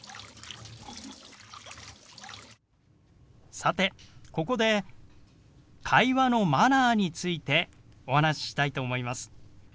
さてここで会話のマナーについてお話ししたいと思います。